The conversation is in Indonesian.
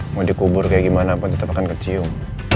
mau dikubur kayak gimana pun tetap akan kecium